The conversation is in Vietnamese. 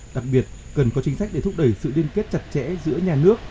đặc biệt cần có chính sách để thúc đẩy sự liên kết chặt chẽ giữa nhà nước